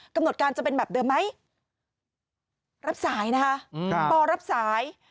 กำหนดการจะเป็นแบบเดิมไหมรับสายนะคะปอรับสาย